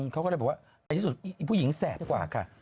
เขาก็เลยบอกว่าในที่สุดผู้หญิงแสบกว่าค่ะ